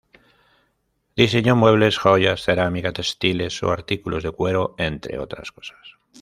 Diseñó muebles, joyas, cerámica, textiles o artículos de cuero, entre otras cosas.